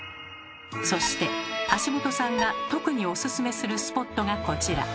そして橋本さんが特にオススメするスポットがこちら！